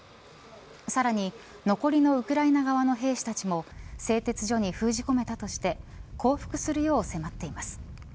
さらに残りのウクライナ側の兵士たちも製鉄所に封じ込めたとして降伏するよう迫ってます。